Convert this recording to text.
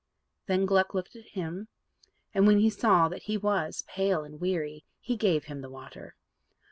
Then Gluck looked at him, and, when he saw that he was pale and weary, he gave him the water.